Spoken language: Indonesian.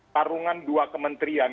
tarungan dua kementerian